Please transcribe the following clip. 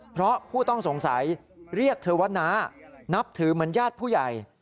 เพราะผู้ต้องสงสัยเรียกเธอว่าน้านับถือเหมือนญาติผู้ใหญ่